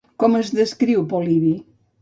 Com el descriu Polibi?